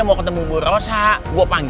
oh makannya saya pak